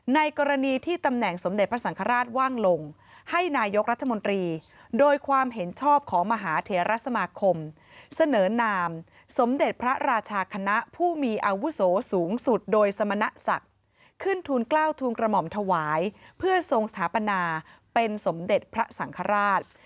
ในกรณีที่ตำแหน่งสมเด็จพระสังฆราชว่างลงให้นายกรัฐมนตรีโดยความเห็นชอบของมหาเทรสมาคมเสนอนามสมเด็จพระราชาคณะผู้มีอาวุโสสูงสุดโดยสมณศักดิ์ขึ้นทุนกล้าวทูลกระหม่อมถวายเพื่อทรงสถาปนาเป็นสมเด็จพระสังฆราช